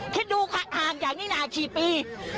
คิดดูห่างจากนี้นะกี่ปี